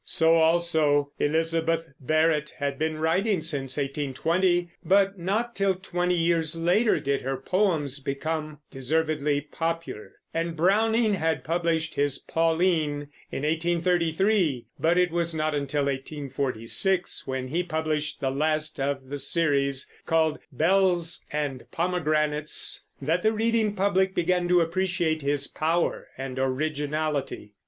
So also Elizabeth Barrett had been writing since 1820, but not till twenty years later did her poems become deservedly popular; and Browning had published his Pauline in 1833, but it was not until 1846, when he published the last of the series called Bells and Pomegranates, that the reading public began to appreciate his power and originality.